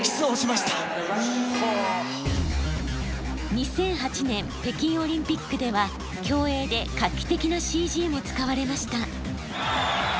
２００８年北京オリンピックでは競泳で画期的なＣＧも使われました。